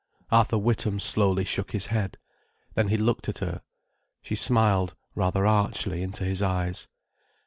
Arthur Witham slowly shook his head. Then he looked at her. She smiled rather archly into his eyes.